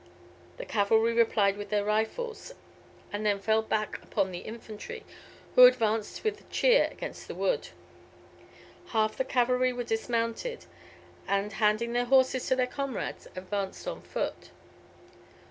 The cavalry replied with their rifles, and then fell back upon the infantry, who advanced with a cheer against the wood. Half the cavalry were dismounted, and, handing their horses to their comrades, advanced on foot.